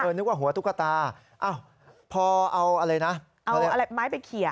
เออนึกว่าหัวตุ๊กตาพอเอาอะไรนะเอาไม้ไปเขี่ย